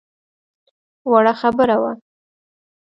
وړه خبره وه.